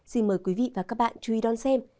xin mời quý vị và các bạn chú ý đón xem